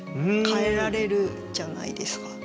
変えられるじゃないですか。